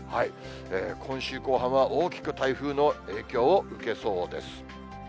今週後半は、大きく台風の影響を受けそうです。